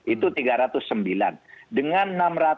itu tiga ratus sembilan dengan